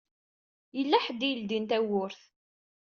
Yella ḥedd i yeldin tawwurt.